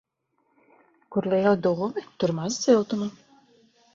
Kur lieli dūmi, tur maz siltuma.